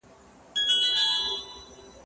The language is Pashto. زه اوس کښېناستل کوم!.